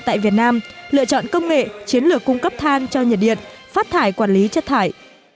tại việt nam lựa chọn công nghệ chiến lược cung cấp than cho nhiệt điện phát thải quản lý chất thải